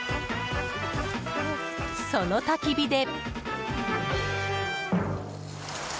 その、たき火で。